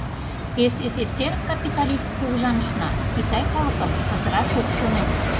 СССР капиталист кугыжанышна китай калыкым пызыраш ок шоно.